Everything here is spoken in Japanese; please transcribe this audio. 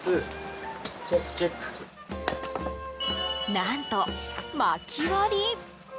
何と、まき割り？